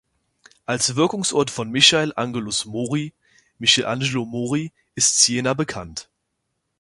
Als Wirkungsort von Michael Angelus Mori (Michelangelo Mori) ist Siena bekannt.